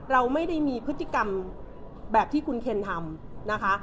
เราไม่ได้มีพฤติกรรมแบบที่คุณเคนทำนะคะ